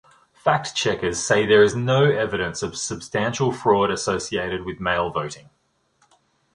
Fact checkers say there is no evidence of substantial fraud associated with mail voting.